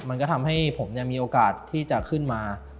มันก็ทำให้ผมมีโอกาสที่จะขึ้นมา